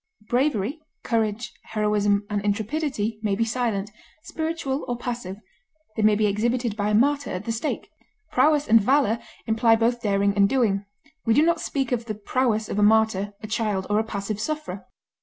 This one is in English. Bravery, courage, heroism, and intrepidity may be silent, spiritual, or passive; they may be exhibited by a martyr at the stake. Prowess and valor imply both daring and doing; we do not speak of the prowess of a martyr, a child, or a passive sufferer.